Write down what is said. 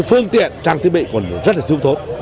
thì phương tiện trang thiết bị còn rất là thương thốt